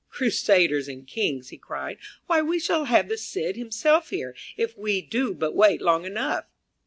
"Crusaders and kings," he cried; "why, we shall have the Cid himself here, if we do but wait long enough."